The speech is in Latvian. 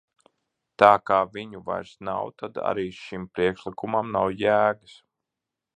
Tā kā viņu vairs nav, tad arī šim priekšlikumam nav jēgas.